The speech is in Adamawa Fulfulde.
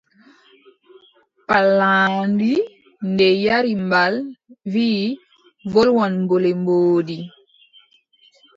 Pallaandi nde yari mbal, wiʼi wolwan bolle mboodi.